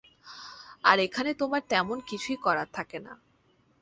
আর এখানে তোমার তেমন কিছুই করার থাকে না।